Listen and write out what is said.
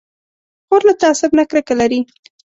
خور له تعصب نه کرکه لري.